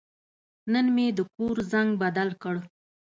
نن مې د کور زنګ بدل کړ.